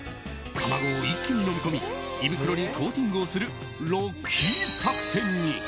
卵を一気に飲み込み胃袋にコーティングをするロッキー作戦に！